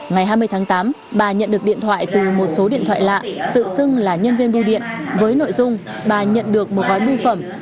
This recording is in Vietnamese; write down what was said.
ngày hai mươi tháng tám bà nhận được điện thoại từ một số điện thoại lạ tự xưng là nhân viên bưu điện với nội dung bà nhận được một gói bưu phẩm